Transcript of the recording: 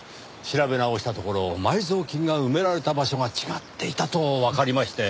調べ直したところ埋蔵金が埋められた場所が違っていたとわかりまして。